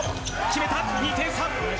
決めた、２点差。